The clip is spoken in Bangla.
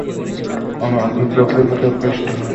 আমি অদ্ভুত লোকেদের প্রতিই আকৃষ্ট হই।